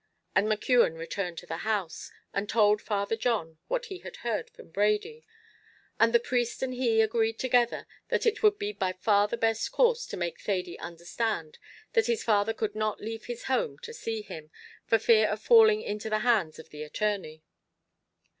And McKeon returned to the house, and told Father John what he had heard from Brady; and the priest and he agreed together that it would be by far the best course to make Thady understand that his father could not leave his home to see him, for fear of falling into the hands of the attorney.